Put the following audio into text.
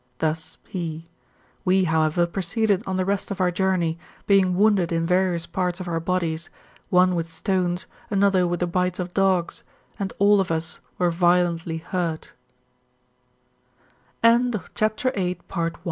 Thus he. We, however, proceeded on the rest of our journey, being wounded in various parts of our bodies, one with stones, another with the bites of dogs, and all of us were vi